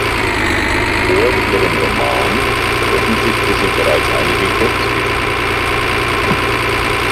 Vor ihrem Roman veröffentlichte sie bereits einige Kurzgeschichten.